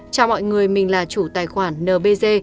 chào mọi người mình là chủ tài khoản nbg